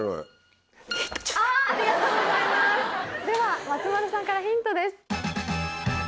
では松丸さんからヒントです。